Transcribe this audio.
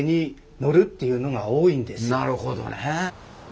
なるほどね。